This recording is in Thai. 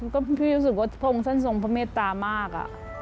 ก็พี่รู้สึกว่าพรงศัลทรงพระเมตตามาก